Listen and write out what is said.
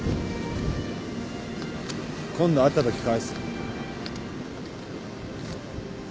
今度会ったとき返す。